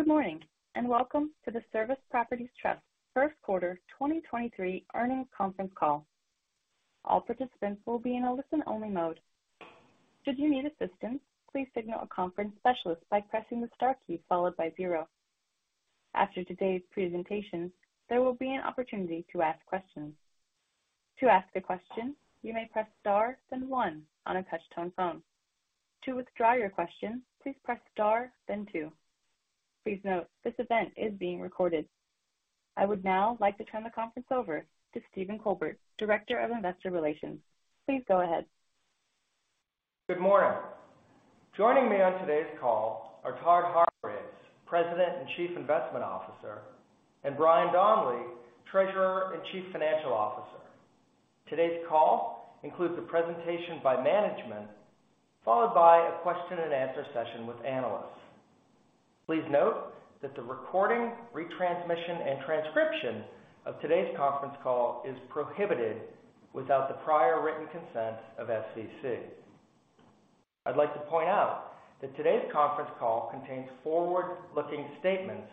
Good morning, welcome to the Service Properties Trust Q1 2023 earnings conference call. All participants will be in a listen-only mode. Should you need assistance, please signal a conference specialist by pressing the star key followed by zero. After today's presentation, there will be an opportunity to ask questions. To ask a question, you may press star then one on a touch-tone phone. To withdraw your question, please press star then two. Please note, this event is being recorded. I would now like to turn the conference over to Stephen Colbert, Director of Investor Relations. Please go ahead. Good morning. Joining me on today's call are Todd Hargreaves, President and Chief Investment Officer, and Brian Donley, Treasurer and Chief Financial Officer. Today's call includes a presentation by management, followed by a question and answer session with analysts. Please note that the recording, retransmission, and transcription of today's conference call is prohibited without the prior written consent of SVC. I'd like to point out that today's conference call contains forward-looking statements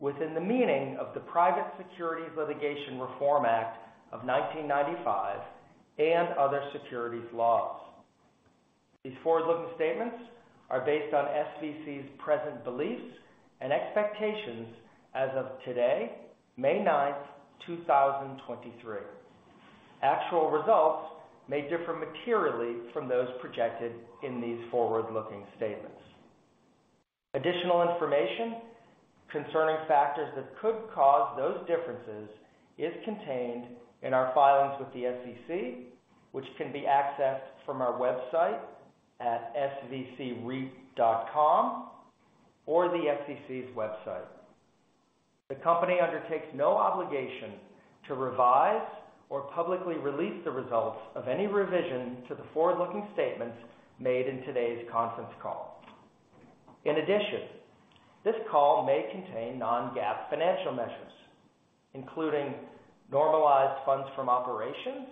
within the meaning of the Private Securities Litigation Reform Act of 1995 and other securities laws. These forward-looking statements are based on SVC's present beliefs and expectations as of today, May 9, 2023. Actual results may differ materially from those projected in these forward-looking statements. Additional information concerning factors that could cause those differences is contained in our filings with the SEC, which can be accessed from our website at svcreit.com or the SEC's website. The company undertakes no obligation to revise or publicly release the results of any revision to the forward-looking statements made in today's conference call. In addition, this call may contain non-GAAP financial measures, including normalized funds from operations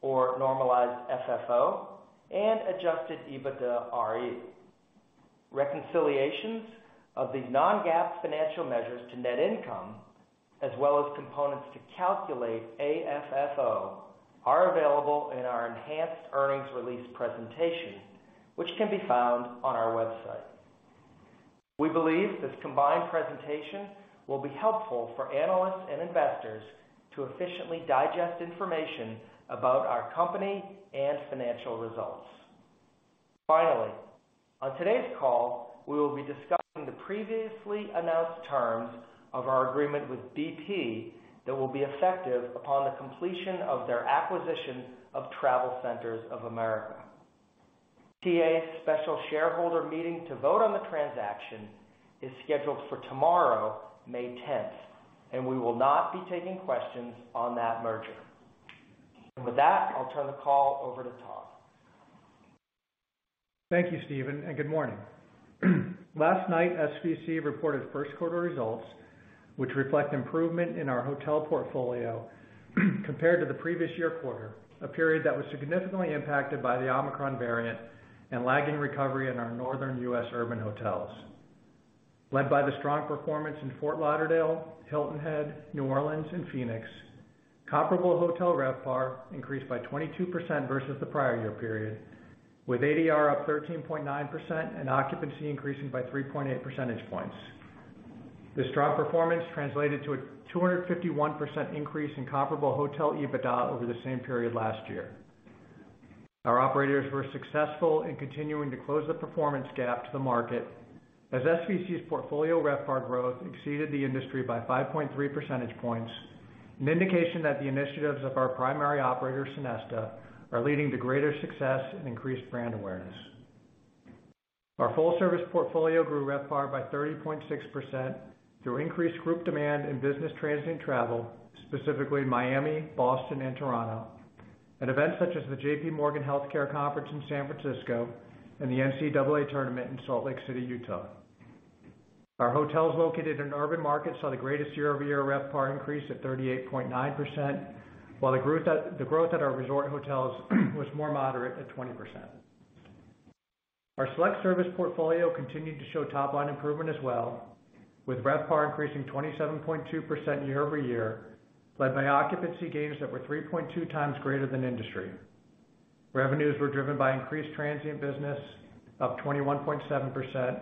or normalized FFO and adjusted EBITDAre. Reconciliations of these non-GAAP financial measures to net income, as well as components to calculate AFFO, are available in our enhanced earnings release presentation, which can be found on our website. We believe this combined presentation will be helpful for analysts and investors to efficiently digest information about our company and financial results. Finally, on today's call, we will be discussing the previously announced terms of our agreement with BP that will be effective upon the completion of their acquisition of TravelCenters of America. TCA's special shareholder meeting to vote on the transaction is scheduled for tomorrow, May tenth, and we will not be taking questions on that merger. With that, I'll turn the call over to Todd. Thank you, Stephen. Good morning. Last night, SVC reported Q1 results, which reflect improvement in our hotel portfolio compared to the previous year quarter, a period that was significantly impacted by the Omicron variant and lagging recovery in our northern U.S. urban hotels. Led by the strong performance in Fort Lauderdale, Hilton Head, New Orleans, and Phoenix, comparable hotel RevPAR increased by 22% versus the prior year period, with ADR up 13.9% and occupancy increasing by 3.8 percentage points. This strong performance translated to a 251% increase in comparable hotel EBITDA over the same period last year. Our operators were successful in continuing to close the performance gap to the market as SVC's portfolio RevPAR growth exceeded the industry by 5.3 percentage points, an indication that the initiatives of our primary operator, Sonesta, are leading to greater success and increased brand awareness. Our full-service portfolio grew RevPAR by 30.6% through increased group demand in business transient travel, specifically Miami, Boston, and Toronto, at events such as the JPMorgan Healthcare Conference in San Francisco and the NCAA Tournament in Salt Lake City, Utah. Our hotels located in urban markets saw the greatest year-over-year RevPAR increase at 38.9%, while the growth at our resort hotels was more moderate at 20%. Our select service portfolio continued to show top line improvement as well, with RevPAR increasing 27.2% year-over-year, led by occupancy gains that were 3.2 times greater than industry. Revenues were driven by increased transient business, up 21.7%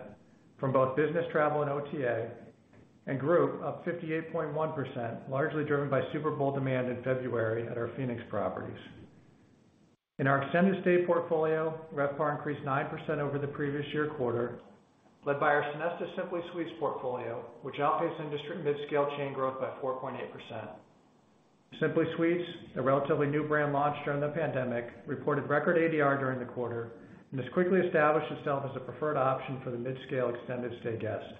from both business travel and OTA, and group, up 58.1%, largely driven by Super Bowl demand in February at our Phoenix properties. In our extended stay portfolio, RevPAR increased 9% over the previous year quarter, led by our Sonesta Simply Suites portfolio, which outpaced industry mid-scale chain growth by 4.8%. Simply Suites, a relatively new brand launched during the pandemic, reported record ADR during the quarter and has quickly established itself as a preferred option for the mid-scale extended stay guests.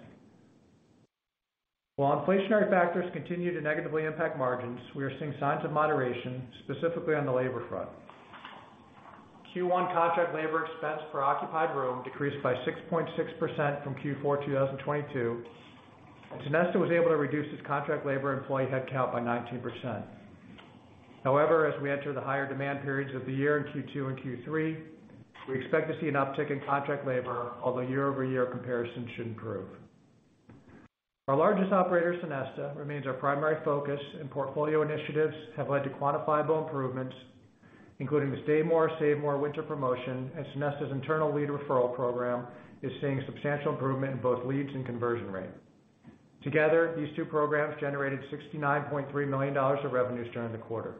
While inflationary factors continue to negatively impact margins, we are seeing signs of moderation, specifically on the labor front. Q1 contract labor expense per occupied room decreased by 6.6% from Q4 2022, and Sonesta was able to reduce its contract labor employee headcount by 19%. As we enter the higher demand periods of the year in Q2 and Q3, we expect to see an uptick in contract labor, although year-over-year comparison should improve. Our largest operator, Sonesta, remains our primary focus, and portfolio initiatives have led to quantifiable improvements, including the Stay More, Save More winter promotion, and Sonesta's internal lead referral program is seeing substantial improvement in both leads and conversion rates. Together, these two programs generated $69.3 million of revenues during the quarter.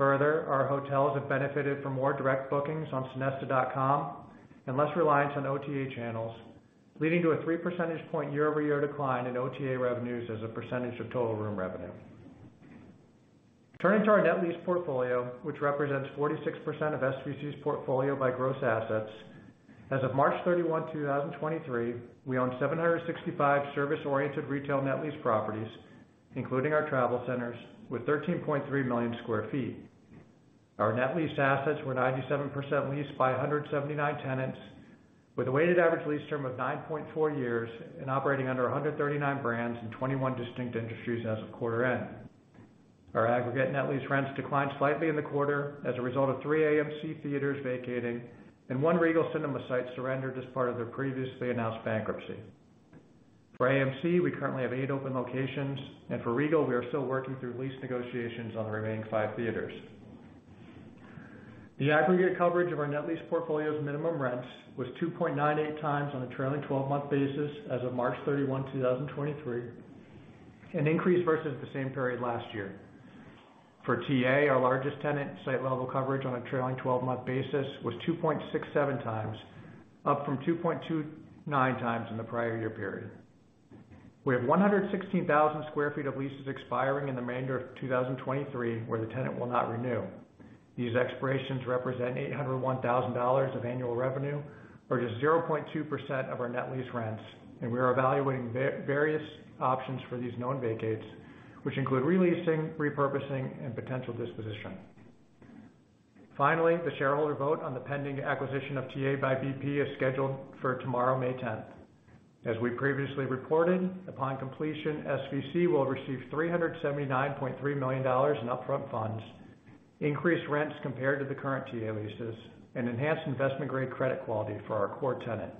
Our hotels have benefited from more direct bookings on sonesta.com and less reliance on OTA channels, leading to a 3% point year-over-year decline in OTA revenues as a percentage of total room revenue. Turning to our net lease portfolio, which represents 46% of SVC's portfolio by gross assets. As of March 31, 2023, we own 765 service-oriented retail net lease properties, including our TravelCenters with 13.3 million sq ft. Our net leased assets were 97% leased by 179 tenants, with a weighted average lease term of 9.4 years and operating under 139 brands in 21 distinct industries as of quarter end. Our aggregate net lease rents declined slightly in the quarter as a result of three AMC Theatres vacating and one Regal Cinema site surrendered as part of their previously announced bankruptcy. For AMC, we currently have 8 open locations, and for Regal, we are still working through lease negotiations on the remaining five theaters. The aggregate coverage of our net lease portfolio's minimum rents was 2.98 times on a trailing twelve-month basis as of March 31, 2023, an increase versus the same period last year. For TA, our largest tenant, site level coverage on a trailing twelve-month basis was 2.67 times, up from 2.29 times in the prior year period. We have 116,000 sq ft of leases expiring in the remainder of 2023 where the tenant will not renew. These expirations represent $801,000 of annual revenue, or just 0.2% of our net lease rents, and we are evaluating various options for these known vacates, which include re-leasing, repurposing, and potential disposition. Finally, the shareholder vote on the pending acquisition of TA by BP is scheduled for tomorrow, May 10th. As we previously reported, upon completion, SVC will receive $379.3 million in upfront funds, increased rents compared to the current TA leases, and enhanced investment-grade credit quality for our core tenant.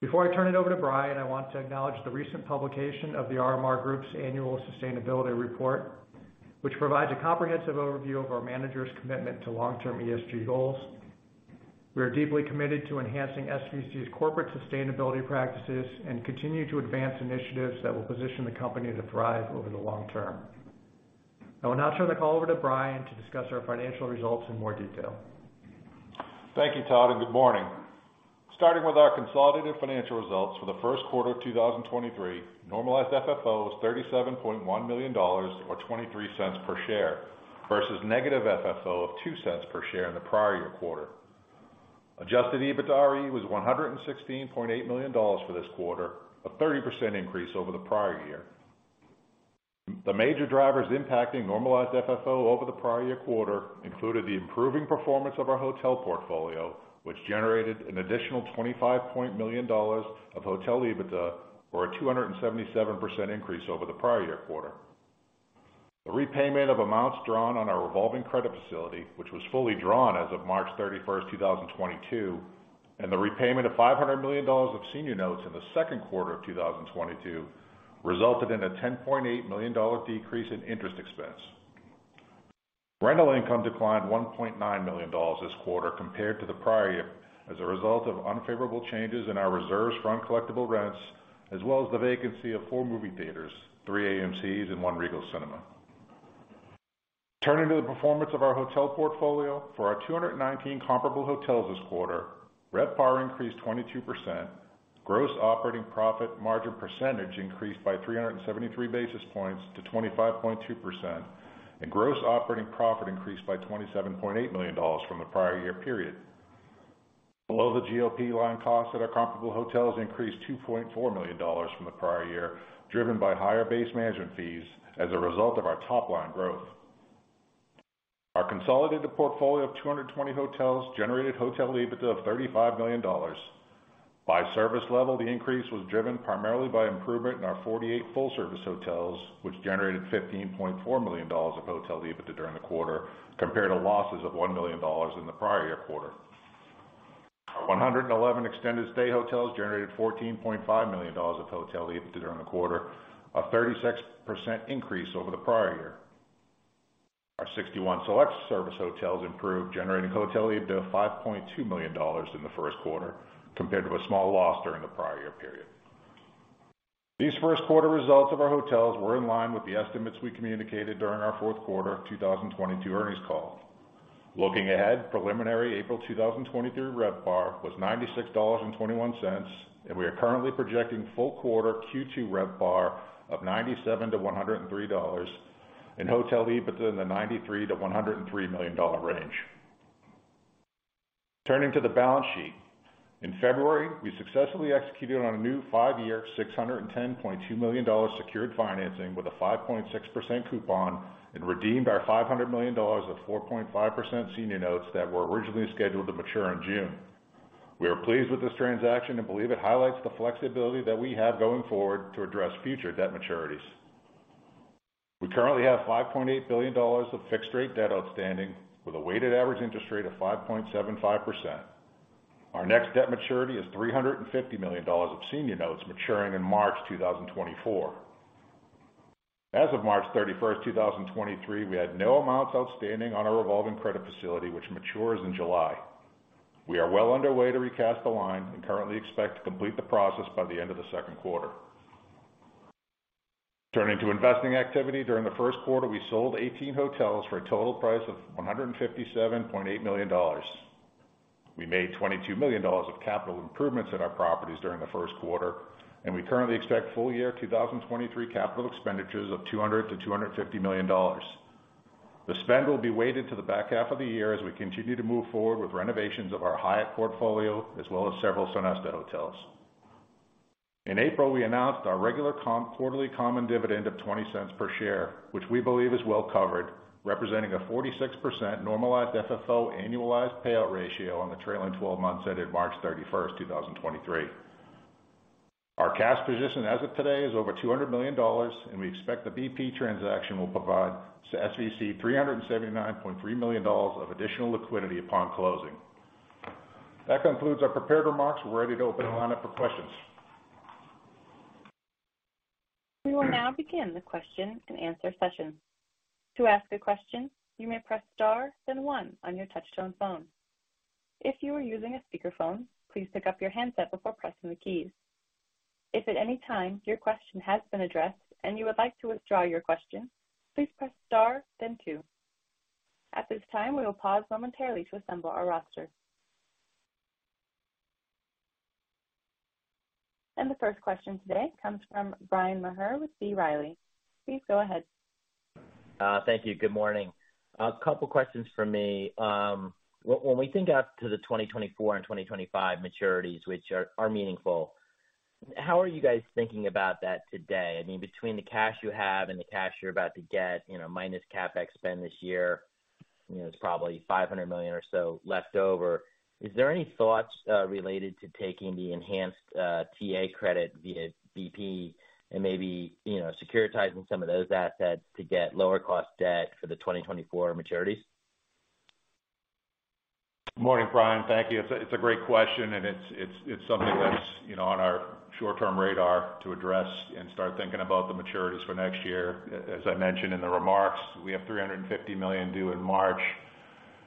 Before I turn it over to Brian, I want to acknowledge the recent publication of The RMR Group's annual sustainability report, which provides a comprehensive overview of our managers' commitment to long-term ESG goals. We are deeply committed to enhancing SVC's corporate sustainability practices and continue to advance initiatives that will position the company to thrive over the long term. I will now turn the call over to Brian to discuss our financial results in more detail. Thank you, Todd, and good morning. Starting with our consolidated financial results for the Q1 of 2023, normalized FFO was $37.1 million or $0.23 per share versus negative FFO of $0.02 per share in the prior year quarter. Adjusted EBITDAre was $116.8 million for this quarter, a 30% increase over the prior year. The major drivers impacting normalized FFO over the prior year quarter included the improving performance of our hotel portfolio, which generated an additional $25 point million of hotel EBITDA, or a 277% increase over the prior year quarter. The repayment of amounts drawn on our revolving credit facility, which was fully drawn as of March 31, 2022, and the repayment of $500 million of senior notes in the Q2 of 2022 resulted in a $10.8 million decrease in interest expense. Rental income declined $1.9 million this quarter compared to the prior year as a result of unfavorable changes in our reserves from uncollectible rents, as well as the vacancy of four movie theaters, three AMCs and one Regal Cinemas. Turning to the performance of our hotel portfolio, for our 219 comparable hotels this quarter, RevPAR increased 22%. Gross operating profit margin percentage increased by 373 basis points to 25.2%, gross operating profit increased by $27.8 million from the prior year period. Below the GOP line costs at our comparable hotels increased $2.4 million from the prior year, driven by higher base management fees as a result of our top line growth. Our consolidated portfolio of 220 hotels generated hotel EBITDA of $35 million. By service level, the increase was driven primarily by improvement in our 48 full service hotels, which generated $15.4 million of hotel EBITDA during the quarter, compared to losses of $1 million in the prior year quarter. Our 111 extended stay hotels generated $14.5 million of hotel EBITDA during the quarter, a 36% increase over the prior year. Our 61 select service hotels improved, generating hotel EBITDA of $5.2 million in the Q1, compared to a small loss during the prior year period. These Q1 results of our hotels were in line with the estimates we communicated during our fourth quarter of 2022 earnings call. Looking ahead, preliminary April 2023 RevPAR was $96.21, and we are currently projecting full quarter Q2 RevPAR of $97-$103 and hotel EBITDA in the $93 million-$103 million range. Turning to the balance sheet. In February, we successfully executed on a new five-year, $610.2 million secured financing with a 5.6% coupon and redeemed our $500 million of 4.5% senior notes that were originally scheduled to mature in June. We are pleased with this transaction and believe it highlights the flexibility that we have going forward to address future debt maturities. We currently have $5.8 billion of fixed rate debt outstanding with a weighted average interest rate of 5.75%. Our next debt maturity is $350 million of senior notes maturing in March 2024. As of March 31st, 2023, we had no amounts outstanding on our revolving credit facility, which matures in July. We are well underway to recast the line and currently expect to complete the process by the end of the Q2. Turning to investing activity. During the Q1, we sold 18 hotels for a total price of $157.8 million. We made $22 million of capital improvements in our properties during the Q1. We currently expect full year 2023 capital expenditures of $200 million-$250 million. The spend will be weighted to the back half of the year as we continue to move forward with renovations of our Hyatt portfolio as well as several Sonesta hotels. In April, we announced our regular quarterly common dividend of $0.20 per share, which we believe is well covered, representing a 46% normalized FFO annualized payout ratio on the trailing 12 months ended March 31st, 2023. Our cash position as of today is over $200 million, we expect the BP transaction will provide SVC $379.3 million of additional liquidity upon closing. That concludes our prepared remarks. We're ready to open the line up for questions. We will now begin the question and answer session. To ask a question, you may press star, then one on your touchtone phone. If you are using a speakerphone, please pick up your handset before pressing the keys. If at any time your question has been addressed and you would like to withdraw your question, please press star then two. At this time, we will pause momentarily to assemble our roster. The first question today comes from Bryan Maher with B. Riley. Please go ahead. Thank you. Good morning. A couple questions from me. When we think out to the 2024 and 2025 maturities, which are meaningful, how are you guys thinking about that today? I mean, between the cash you have and the cash you're about to get, you know, minus CapEx spend this year, you know, it's probably $500 million or so left over. Is there any thoughts, related to taking the enhanced, TA credit via BP and maybe, you know, securitizing some of those assets to get lower cost debt for the 2024 maturities? Morning, Bryan. Thank you. It's a great question, and it's something that's, you know, on our short-term radar to address and start thinking about the maturities for next year. As I mentioned in the remarks, we have $350 million due in March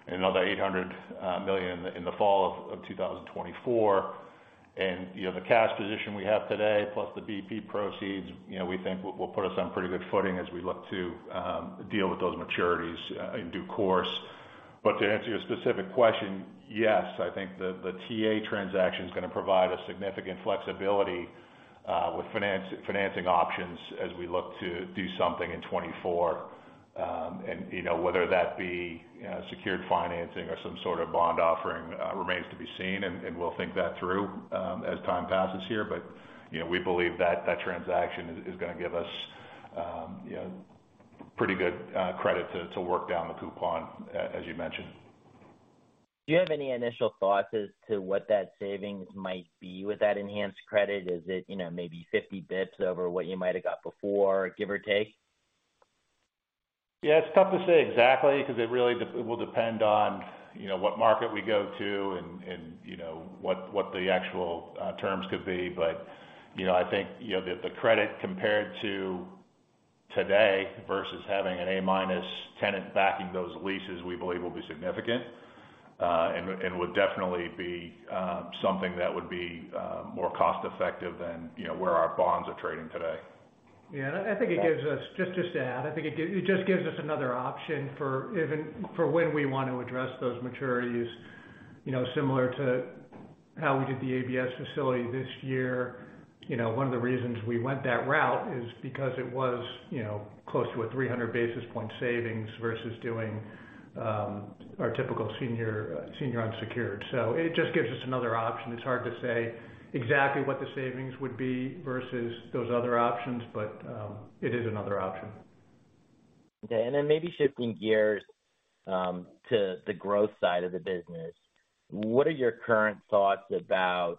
and another $800 million in the fall of 2024. You know, the cash position we have today, plus the BP proceeds, you know, we think will put us on pretty good footing as we look to deal with those maturities in due course. To answer your specific question, yes, I think the TA transaction is gonna provide us significant flexibility with financing options as we look to do something in 2024. You know, whether that be, you know, secured financing or some sort of bond offering, remains to be seen, and we'll think that through, as time passes here. You know, we believe that that transaction is gonna give us, you know, pretty good, credit to work down the coupon as you mentioned. Do you have any initial thoughts as to what that savings might be with that enhanced credit? Is it, you know, maybe 50 bits over what you might have got before, give or take? Yeah, it's tough to say exactly because it really it will depend on, you know, what market we go to and, you know, what the actual terms could be. You know, I think, you know, the credit compared to today versus having an A-minus tenant backing those leases, we believe will be significant, and would definitely be something that would be more cost effective than, you know, where our bonds are trading today. Yeah, I think it gives us. Just to add, I think it just gives us another option for even, for when we want to address those maturities, you know, similar to how we did the ABS facility this year. You know, one of the reasons we went that route is because it was, you know, close to a 300 basis point savings versus doing our typical senior unsecured. It just gives us another option. It's hard to say exactly what the savings would be versus those other options, but it is another option. Maybe shifting gears, to the growth side of the business. What are your current thoughts about,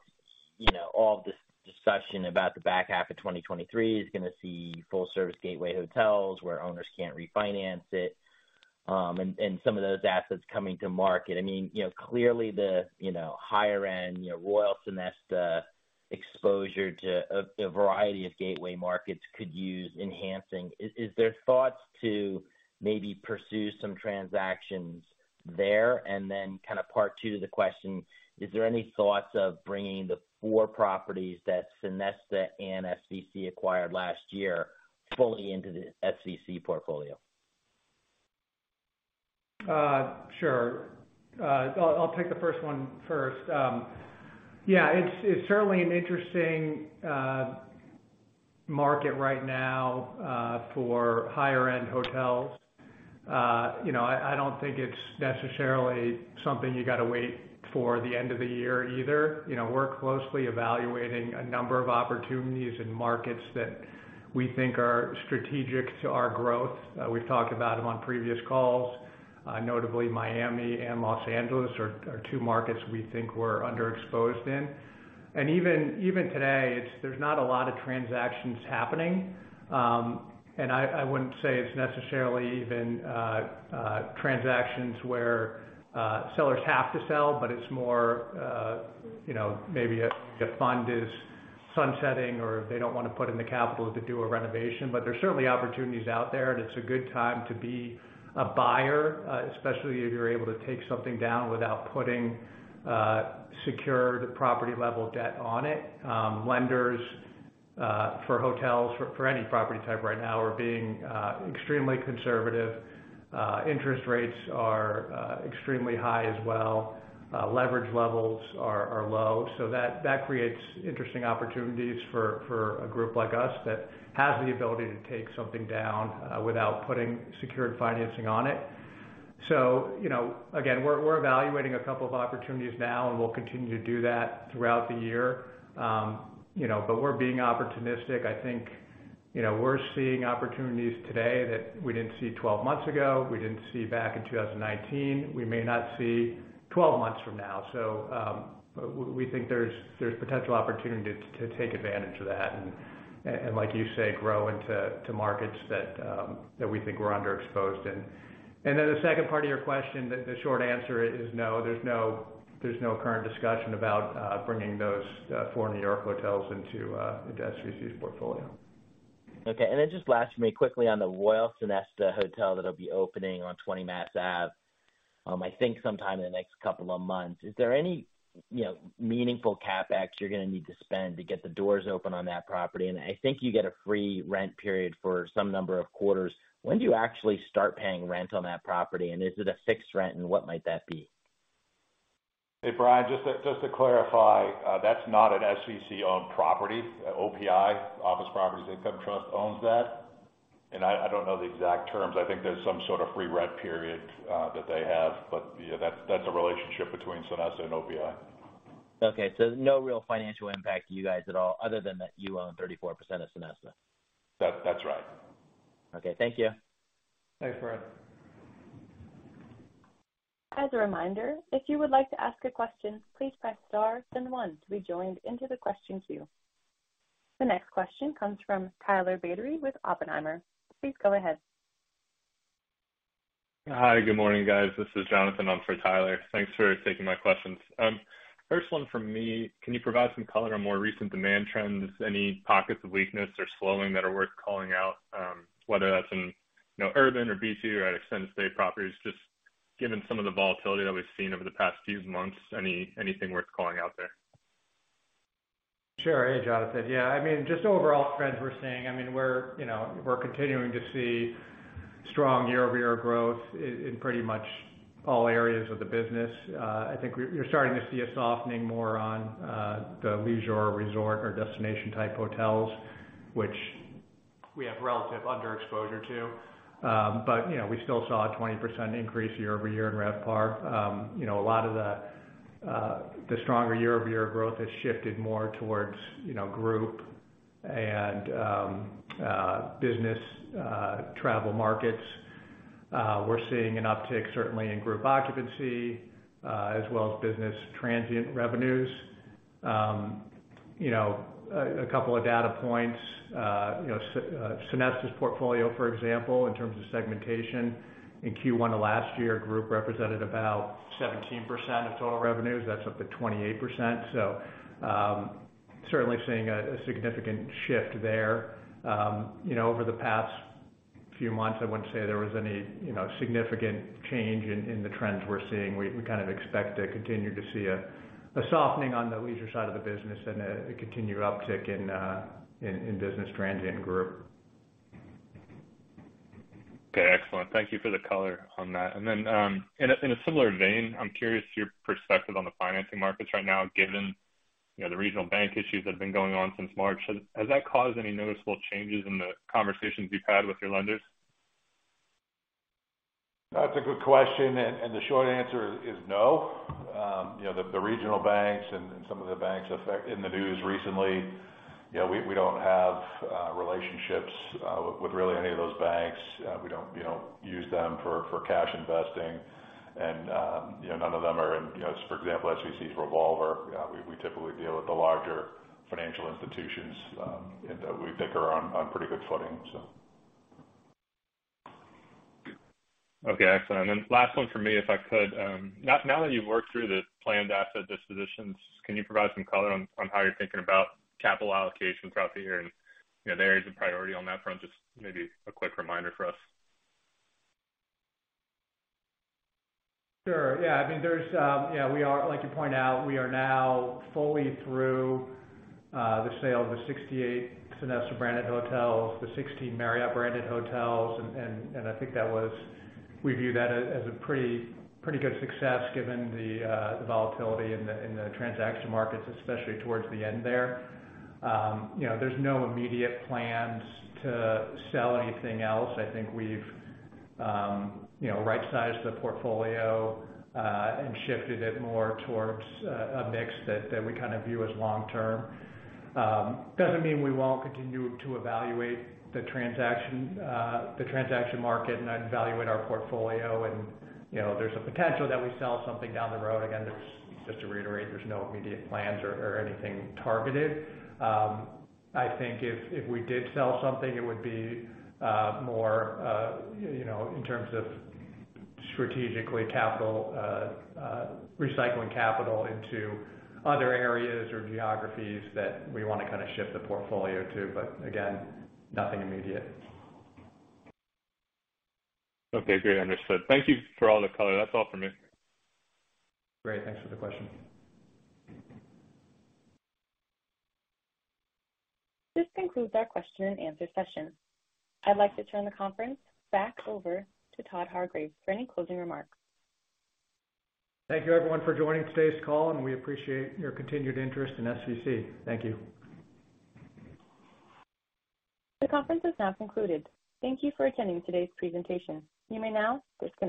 you know, all of this discussion about the back half of 2023 is gonna see full service gateway hotels where owners can't refinance it, and some of those assets coming to market? I mean, you know, clearly the, you know, higher end, you know, Royal Sonesta exposure to a variety of gateway markets could use enhancing. Is there thoughts to maybe pursue some transactions there? Kind of part two to the question, is there any thoughts of bringing the four properties that Sonesta and SVC acquired last year fully into the SVC portfolio? Sure. I'll take the first one first. Yeah, it's certainly an interesting market right now. For higher end hotels, you know, I don't think it's necessarily something you gotta wait for the end of the year either. You know, we're closely evaluating a number of opportunities in markets that we think are strategic to our growth. We've talked about them on previous calls. Notably Miami and Los Angeles are two markets we think we're underexposed in. Even today, there's not a lot of transactions happening. I wouldn't say it's necessarily even transactions where sellers have to sell, but it's more, you know, maybe the fund is sunsetting or they don't wanna put in the capital to do a renovation. There's certainly opportunities out there, and it's a good time to be a buyer, especially if you're able to take something down without putting secured property level debt on it. Lenders for hotels, for any property type right now are being extremely conservative. Interest rates are extremely high as well. Leverage levels are low, so that creates interesting opportunities for a group like us that has the ability to take something down without putting secured financing on it. You know, again, we're evaluating a couple of opportunities now, and we'll continue to do that throughout the year. You know, we're being opportunistic. I think, you know, we're seeing opportunities today that we didn't see 12 months ago. We didn't see back in 2019. We may not see 12 months from now. We think there's potential opportunity to take advantage of that and like you say, grow into markets that we think we're underexposed in. The second part of your question, the short answer is no. There's no current discussion about bringing those four New York hotels into SVC's portfolio. Okay. Then just last for me quickly on the Royal Sonesta hotel that'll be opening on 20 Mass Ave, I think sometime in the next couple of months. Is there any, you know, meaningful CapEx you're gonna need to spend to get the doors open on that property? I think you get a free rent period for some number of quarters. When do you actually start paying rent on that property, and is it a fixed rent, and what might that be? Hey, Brian, just to clarify, that's not an SVC-owned property. OPI, Office Properties Income Trust, owns that. I don't know the exact terms. I think there's some sort of free rent period that they have. you know, that's a relationship between Sonesta and OPI. Okay, no real financial impact to you guys at all other than that you own 34% of Sonesta. That's right. Okay. Thank you. Thanks, Bryan. As a reminder, if you would like to ask a question, please press star then one to be joined into the question queue. The next question comes from Tyler Batory with Oppenheimer. Please go ahead. Hi, good morning, guys. This is Jonathan on for Tyler. Thanks for taking my questions. First one from me. Can you provide some color on more recent demand trends? Any pockets of weakness or slowing that are worth calling out, whether that's in, you know, urban or B2 or at Extended Stay properties? Just given some of the volatility that we've seen over the past few months, anything worth calling out there? Sure. Hey, Jonathan. Yeah, I mean, just overall trends we're seeing, I mean, we're, you know, we're continuing to see strong year-over-year growth in pretty much all areas of the business. I think you're starting to see a softening more on the leisure resort or destination type hotels, which we have relative underexposure to. You know, we still saw a 20% increase year-over-year in RevPAR. You know, a lot of the stronger year-over-year growth has shifted more towards, you know, group and business travel markets. We're seeing an uptick certainly in group occupancy, as well as business transient revenues. You know, a couple of data points. You know, Sonesta's portfolio, for example, in terms of segmentation, in Q1 of last year, group represented about 17% of total revenues. That's up to 28%. certainly seeing a significant shift there. you know, over the past few months, I wouldn't say there was any, you know, significant change in the trends we're seeing. We kind of expect to continue to see a softening on the leisure side of the business and a continued uptick in business transient group. Okay, excellent. Thank you for the color on that. In a, in a similar vein, I'm curious your perspective on the financing markets right now, given, you know, the regional bank issues that have been going on since March. Has that caused any noticeable changes in the conversations you've had with your lenders? That's a good question, and the short answer is no. You know, the regional banks and some of the banks in the news recently, you know, we don't have relationships with really any of those banks. We don't, you know, use them for cash investing. You know, none of them are in, you know, for example, SVC's revolver, we typically deal with the larger financial institutions, and that we think are on pretty good footing, so. Okay, excellent. Last one for me, if I could. Now that you've worked through the planned asset dispositions, can you provide some color on how you're thinking about capital allocation throughout the year and, you know, the areas of priority on that front? Just maybe a quick reminder for us. Sure. Yeah. I mean, there's, yeah, we are like you point out, we are now fully through the sale of the 68 Sonesta branded hotels, the 16 Marriott branded hotels. I think that was. We view that as a pretty good success given the volatility in the transaction markets, especially towards the end there. You know, there's no immediate plans to sell anything else. I think we've, you know, right-sized the portfolio and shifted it more towards a mix that we kinda view as long term. Doesn't mean we won't continue to evaluate the transaction market and evaluate our portfolio and, you know, there's a potential that we sell something down the road. Again, just to reiterate, there's no immediate plans or anything targeted. I think if we did sell something, it would be more, you know, in terms of strategically capital, recycling capital into other areas or geographies that we wanna kinda shift the portfolio to. Again, nothing immediate. Okay, great. Understood. Thank you for all the color. That's all for me. Great. Thanks for the question. This concludes our question and answer session. I'd like to turn the conference back over to Todd Hargreaves for any closing remarks. Thank you, everyone, for joining today's call, and we appreciate your continued interest in SVC. Thank you. The conference is now concluded. Thank you for attending today's presentation. You may now disconnect.